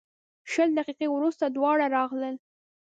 شل دقیقې وروسته دواړه راغلل.